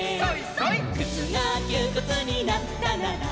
「くつがきゅーくつになったなら」